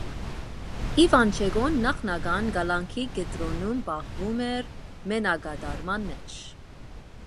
Իվանչենկոն նախնական կալանքի կենտրոնում պահվում էր մենակատարման մեջ։